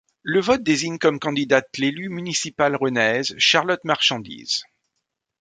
Le vote désigne comme candidate l'élue municipale rennaise Charlotte Marchandise.